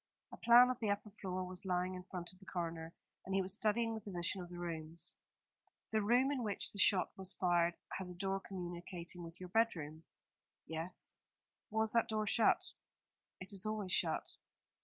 A plan of the upper floor was lying in front of the coroner, and he was studying the position of the rooms. "The room in which the shot was fired has a door communicating with your bedroom?" "Yes." "Was that door shut?" "It is always shut."